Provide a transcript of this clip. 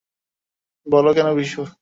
বলো কেন, বিশু?